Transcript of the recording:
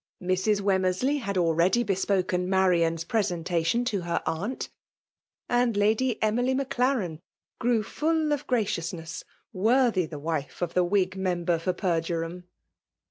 Mrs. Wemmersley had already bespoken Marian's presentation to her aunt ; and Lady Emily Maclaren grew full of gra cxousness, worthy the wife of the Wing mem ber for Peijureham.